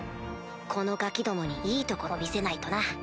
このガキどもにいいところ見せないとな。